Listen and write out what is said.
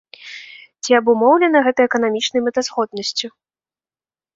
Ці абумоўлена гэта эканамічнай мэтазгоднасцю?